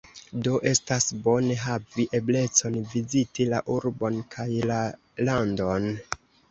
Do, estas bone havi eblecon viziti la urbon kaj la landon.